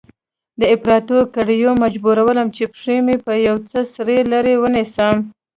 د اپراتو کړيو مجبورولم چې پښې مې يو څه سره لرې ونيسم.